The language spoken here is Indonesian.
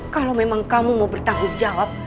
kalau memang kamu mau bertanggung jawab